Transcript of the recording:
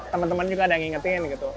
temen temen juga ada yang ngingetin gitu